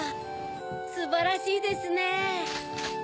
すばらしいですねぇ。